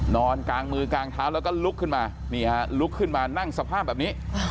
นอนกลางมือกลางเท้าแล้วก็ลุกขึ้นมานี่ฮะลุกขึ้นมานั่งสภาพแบบนี้